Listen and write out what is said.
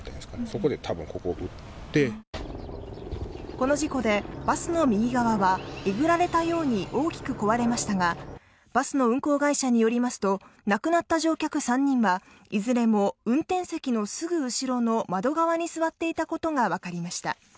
この事故でバスの右側はえぐられたように大きく壊れましたが、バスの運行会社によりますと、亡くなった乗客３人はいずれも運転席のすぐ後ろの窓側に座っていたことがわかりました。